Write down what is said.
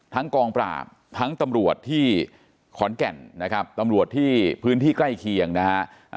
กองปราบทั้งตำรวจที่ขอนแก่นนะครับตำรวจที่พื้นที่ใกล้เคียงนะฮะ